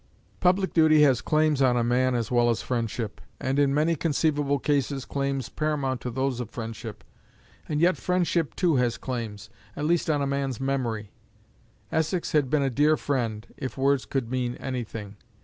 Public duty has claims on a man as well as friendship, and in many conceivable cases claims paramount to those of friendship. And yet friendship, too, has claims, at least on a man's memory. Essex had been a dear friend, if words could mean anything.